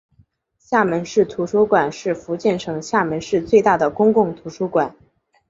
厦门市图书馆是福建省厦门市最大的公共图书馆。